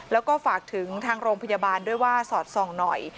แล้วก็ฝากถึงทางโรงพยาบาลด้วยว่าสอดส่องหน่อย